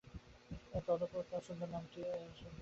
তৎপ্রদত্ত সুন্দর নামটিও তাহার পরিচয়।